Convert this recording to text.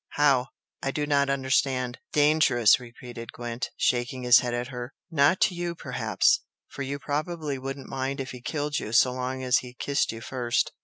How? I do not understand !" "Dangerous!" repeated Gwent, shaking his head at her "Not to you, perhaps, for you probably wouldn't mind if he killed you, so long as he kissed you first!